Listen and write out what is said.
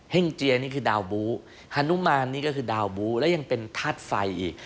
่งเจียนี่คือดาวบูฮานุมานนี่ก็คือดาวบูแล้วยังเป็นธาตุไฟอีก